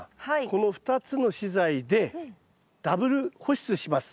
この２つの資材でダブル保湿します。